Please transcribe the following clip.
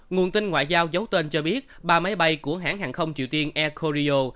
nguồn tin ngoại giao giấu tên cho biết ba máy bay của hãng hàng không triều tiên air koryo